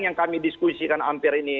yang kami diskusikan hampir ini